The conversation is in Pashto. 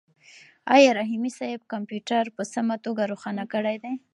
آیا رحیمي صیب کمپیوټر په سمه توګه روښانه کړی دی؟